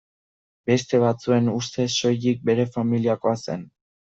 Beste batzuen ustez soilik bere familiakoa zen.